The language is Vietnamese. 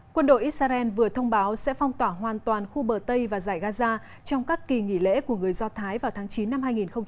quân đội israel vừa thông báo sẽ phong tỏa hoàn toàn khu bờ tây và giải gaza trong các kỳ nghỉ lễ của người do thái vào tháng chín năm hai nghìn hai mươi